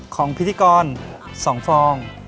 ของพิธีกร๒ฟอง